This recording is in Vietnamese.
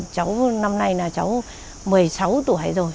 cháu năm nay là cháu một mươi sáu tuổi rồi